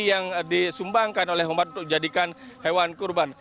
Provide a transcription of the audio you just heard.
yang disumbangkan oleh umat untuk dijadikan hewan kurban